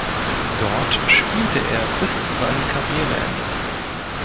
Dort spielte er bis zu seinem Karriereende.